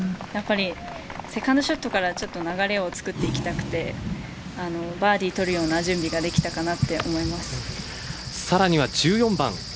セカンドショットからちょっと流れを作っていきたくてバーディーを取るような準備がさらには１４番。